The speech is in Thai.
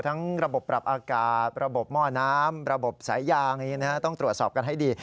ระบบปรับอากาศระบบหม้อน้ำระบบสายยางต้องตรวจสอบกันให้ดี